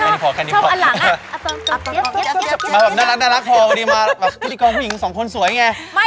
มันแบบน่ารักเพราะว่าพี่ดีกว่าคุณผู้หญิงสองคนสวยไง